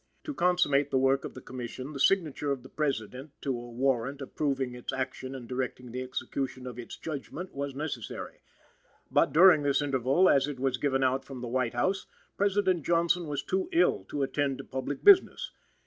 To consummate the work of the Commission, the signature of the President to a warrant approving its action and directing the execution of its judgment was necessary. But, during this interval, as it was given out from the White House, President Johnson was too ill to attend to public business.